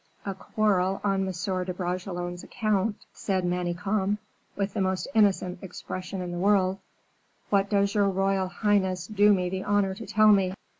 "A quarrel on M. de Bragelonne's account," said Manicamp, with the most innocent expression in the world; "what does your royal highness do me the honor to tell me?"